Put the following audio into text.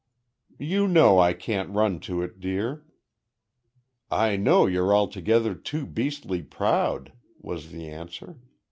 "You know I can't run to it, dear." "I know you're altogether too beastly proud," was the answer.